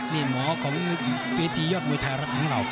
นี่หมอของเมื่อกีษยอดมวยไทยรักที่ติ๋ระ